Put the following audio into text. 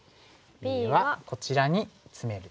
Ｂはこちらにツメる手ですね。